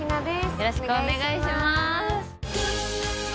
よろしくお願いします。